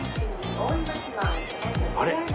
あれ？